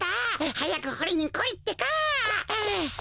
はやくほりにこいってか！